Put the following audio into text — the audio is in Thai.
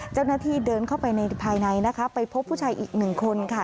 เจ้าหน้าที่เดินเข้าไปในภายในนะคะไปพบผู้ชายอีกหนึ่งคนค่ะ